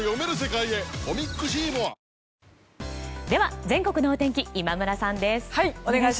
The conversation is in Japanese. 「颯」全国のお天気今村さんです。